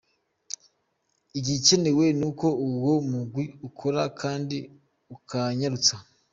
"Igikenewe nuko uwo mugwi ukora kandi ukanyarutsa.